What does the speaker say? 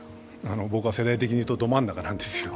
僕は世代的に言うとど真ん中なんですよ。